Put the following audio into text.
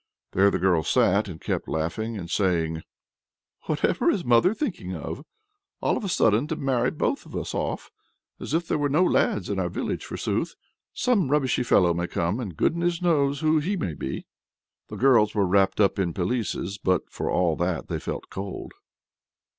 There the girls sat, and kept laughing and saying: "Whatever is mother thinking of! All of a sudden to marry both of us off! As if there were no lads in our village, forsooth! Some rubbishy fellow may come, and goodness knows who he may be!" The girls were wrapped up in pelisses, but for all that they felt the cold.